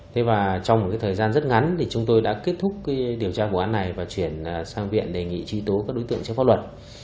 thế và trong một cái thời gian rất ngắn thì chúng tôi đã kết thúc cái điều tra vụ án này và chuyển sang viện đề nghị tri tố các đối tượng chế pháp luật